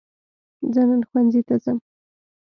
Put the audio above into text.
زه نن ښوونځي ته ځم